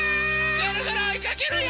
ぐるぐるおいかけるよ！